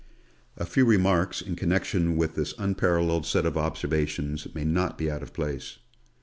A few remarks in connection with this unparalleled set of observations may not be out of place.